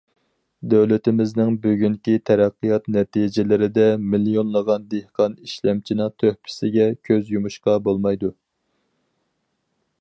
دۆلىتىمىزنىڭ بۈگۈنكى تەرەققىيات نەتىجىلىرىدە مىليونلىغان دېھقان ئىشلەمچىنىڭ تۆھپىسىگە كۆز يۇمۇشقا بولمايدۇ.